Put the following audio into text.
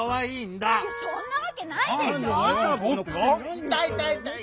いたいいたいいたい。